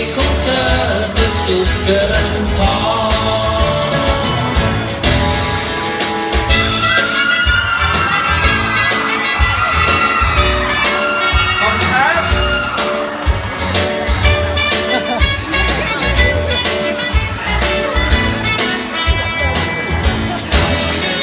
ไม่คอยเป็นเรื่องหลักดันฝันนั้นยังไง